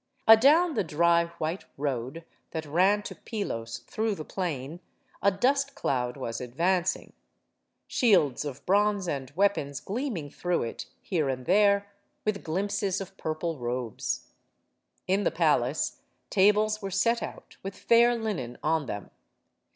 Adown the dry white road that ran to Pylos through the plain, a dust cloud was advancing; shields of bronze and weapons gleaming through it, here and there, with glimpses of purple robes. In the palace, tables were set out, with fair linen on them.